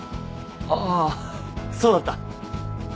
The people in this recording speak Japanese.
ああそうだった。